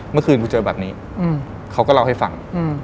เมื่อคืนกูเจอแบบนี้เขาก็เล่าให้ฟัง